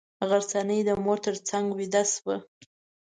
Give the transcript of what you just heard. غرڅنۍ د مور تر څنګه ویده شوه.